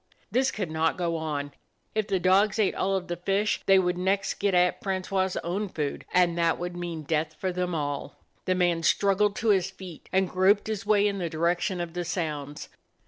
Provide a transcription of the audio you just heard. This could not go on. If the dogs ate all of the fish they would next get at Francois's own food, and that would mean death for them all. The man struggled to his feet, and groped his way in the direction of the sounds.